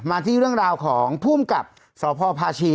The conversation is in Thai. มาที่เรื่องราวของภูมิกับสพพาชี